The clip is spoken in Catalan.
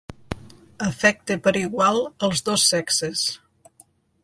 Afecta per igual els dos sexes.